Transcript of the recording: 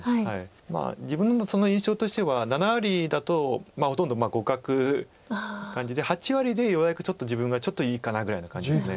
まあ自分の印象としては７割だとほとんど互角な感じで８割でようやくちょっと自分がちょっといいかなぐらいの感じです。